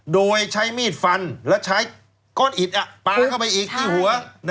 โดยใช้มีดฟันและใช้ก้อนอิดปลาเข้าไปอีกที่หัว